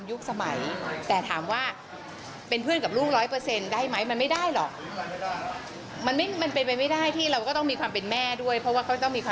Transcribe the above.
ยิ้มรับเลยค่ะขอบคุณทุกคำชมค่ะ